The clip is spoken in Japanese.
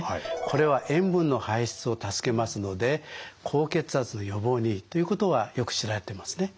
これは塩分の排出を助けますので高血圧の予防にいいということはよく知られてますね。